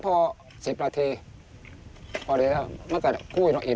พหลังแล้วเริ่มถึง๑๐นาที